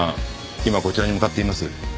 今こちらに向かっています。